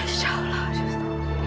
insya allah justo